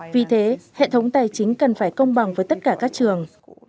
vì thế hệ thống tài chính cần phải công bằng với tất cả các trường